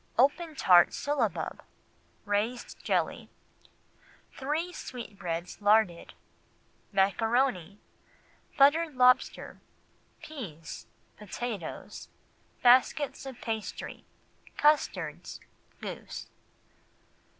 Open Tart Syllabub. Raised Jelly. Three Sweetbreads Larded. Maccaroni. Buttered Lobster. Peas. Potatoes. Baskets of Pastry. Custards. Goose.